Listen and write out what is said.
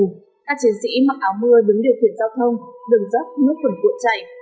các chiến sĩ mặc áo mưa đứng điều khiển giao thông đường dốc nước phủn cuộn chảy